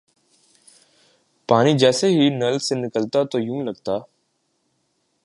پانی جیسے ہی نل سے نکلتا تو یوں لگتا